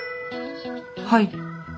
はい。